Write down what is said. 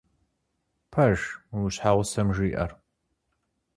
Пэж мы, уи щхьэгъусэм жиӀэр?